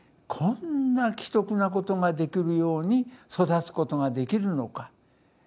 こんな奇特なことができるように育つことができるのか。